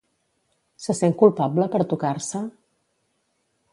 Se sent culpable per tocar-se?